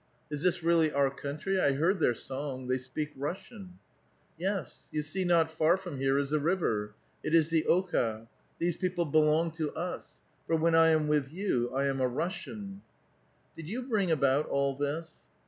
Is this really our country? I heai d their song ; they speak Russian." "Yes, you see not far from here is a river — it is the Oka ; these people beloug to us ; for when I am with you I am a Russian !"'* Did you bring about all this?"